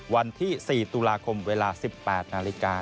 วันที่๔ตุลาคมเวลา๑๘น